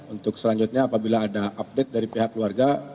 untuk selanjutnya apabila ada update dari pihak keluarga